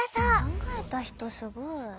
考えた人すごい。